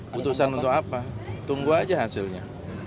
putusan untuk apa tunggu aja hasilnya